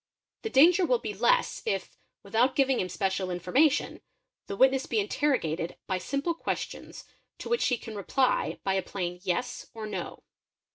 The wnger will be less, if, without giving him special information, the witness peerrsenind by simple questions to which he can reply by a plain Yes' "No."